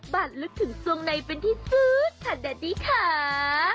บาทลึกถึงส่วงในเป็นที่สุดท่านแดดดี้ค่า